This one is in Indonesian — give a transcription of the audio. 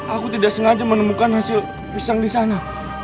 aku tidak sengaja menemukan hasil pisang di sana